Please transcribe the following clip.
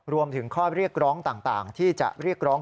รวมถึงข้อเรียกร้องต่างที่จะเรียกร้อง